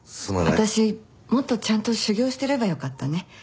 私もっとちゃんと修行してればよかったね。